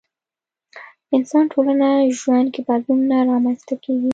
انسان ټولنه ژوند کې بدلون نه رامنځته کېږي.